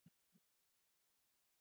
Madamu si ubazazi, kwa mwanaadamu ndivyo